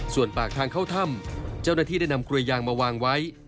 ส่วนปากทางเข้าถ้ำเจ้าหน้าที่ได้นำกลวยยางมาวางไว้